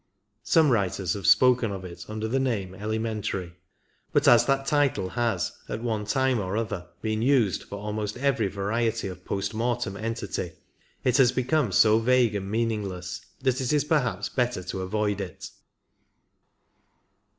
Some writers have spoken of it under the name "elementary," but as that title has at one time or other been used for almost every variety of post mortem entity, it has become so vague and meaningless that it is perhaps better to avoid it.